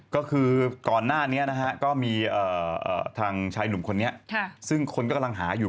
ก็คือก่อนหน้านี้นะฮะก็มีทางชายหนุ่มคนนี้ซึ่งคนก็กำลังหาอยู่